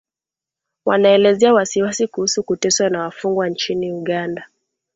Wanaelezea wasiwasi kuhusu kuteswa wafungwa nchini Uganda